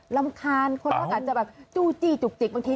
รำคาญคนก็อาจจะแบบจู้จี้จุกจิกบางที